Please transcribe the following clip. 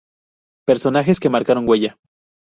Personajes que marcaron huella.